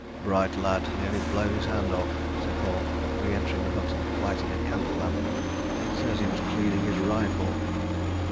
... "Bright lad nearly blown his hand off," said Hall, re entering the hut and lighting a candle lamp. "Says he was cleaning his rifle.